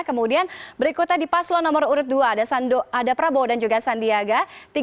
kemudian berikutnya di paslon nomor urut dua ada prabowo dan juga sandiaga